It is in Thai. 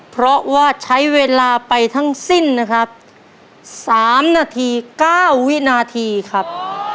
เพราะว่าใช้เวลาไปทั้งสิ้นนะครับ๓นาที๙วินาทีครับ